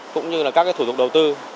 cũng như là các cái thủ tục đầu tư